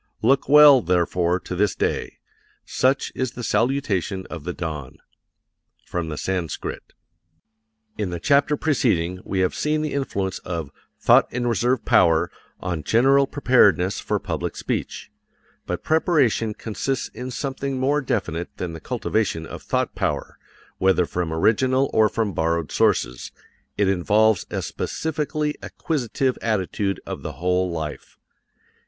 Look well, therefore, to this day. Such is the salutation of the dawn. From the Sanskrit. In the chapter preceding we have seen the influence of "Thought and Reserve Power" on general preparedness for public speech. But preparation consists in something more definite than the cultivation of thought power, whether from original or from borrowed sources it involves a specifically acquisitive attitude of the whole life.